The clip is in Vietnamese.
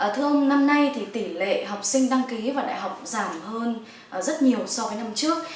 thưa ông năm nay thì tỷ lệ học sinh đăng ký vào đại học giảm hơn rất nhiều so với năm trước